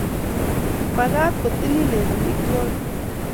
Magat ko tililen amitwokik